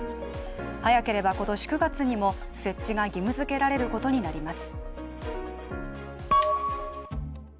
早ければ今年９月にも設置が義務づけられることになります。